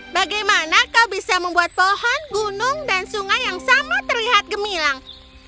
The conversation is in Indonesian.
bagaimana kau bisa membuat pohon gunung dan sungai yang sama terlihat gemilang